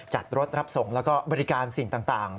จัดรถรับส่งแล้วก็บริการสิ่งต่าง